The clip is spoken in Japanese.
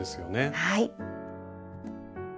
はい。